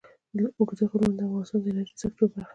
اوږده غرونه د افغانستان د انرژۍ سکتور برخه ده.